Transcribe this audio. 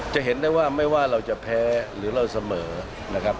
จะเห็นได้ว่าไม่ว่าเราจะแพ้หรือเราเสมอนะครับ